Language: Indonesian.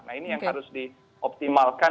nah ini yang harus dioptimalkan